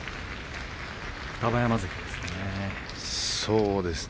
双葉山関ですね。